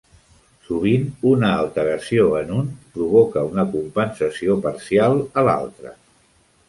Sovint una alteració en un provoca una compensació parcial a l'altre.